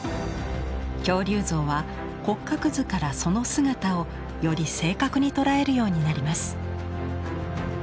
恐竜像は骨格図からその姿をより正確に捉えるようになります。